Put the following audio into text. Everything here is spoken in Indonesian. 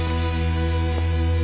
oke sampai jumpa